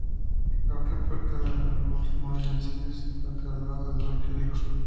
La otra puerta, de adornos muy sencillos, se encuentra al lado del evangelio.